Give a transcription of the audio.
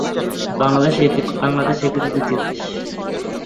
বাংলাদেশ এ ক্ষেত্রে দ্বিতীয় দেশ।